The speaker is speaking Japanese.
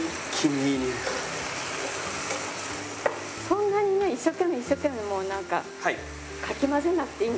そんなにね一生懸命一生懸命もうなんかかき混ぜなくていいんですよ。